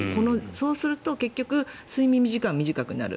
そうすると、結局睡眠時間が短くなる